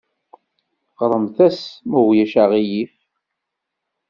Ɣremt-as, ma ulac aɣilif.